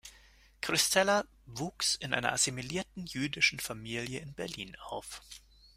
Kristeller wuchs in einer assimilierten jüdischen Familie in Berlin auf.